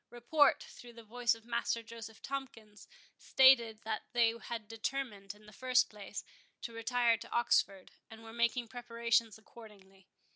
Report, through the voice of Master Joseph Tomkins, stated, that they had determined, in the first place, to retire to Oxford, and were making preparations accordingly.